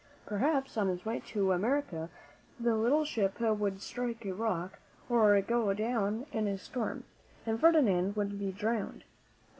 Perhaps on his way to America the little ship would strike a rock or go down in a storm, and Ferdinand would be drowned.